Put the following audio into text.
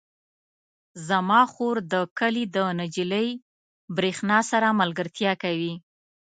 زما خور د کلي د نجلۍ برښنا سره ملګرتیا کوي.